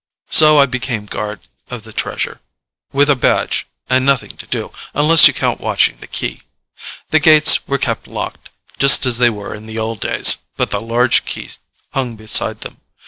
So I became guard of the Treasure. With a badge. And nothing to do unless you count watching the Key. The gates were kept locked, just as they were in the old days, but the large Key hung beside them.